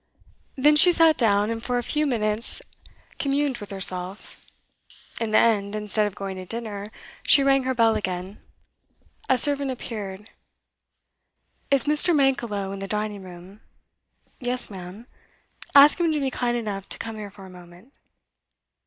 Then she sat down, and for a few minutes communed with herself. In the end, instead of going to dinner, she rang her bell again. A servant appeared. 'Is Mr. Mankelow in the dining room?' 'Yes, ma'am.' 'Ask him to be kind enough to come here for a moment.